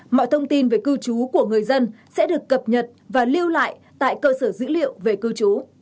mọi thông tin về cư trú của người dân sẽ được cập nhật và lưu lại tại cơ sở dữ liệu về cư trú